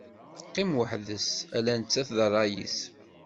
Teqqim weḥd-s ala nettat d rray-is.